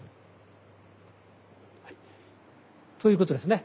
はいということですね。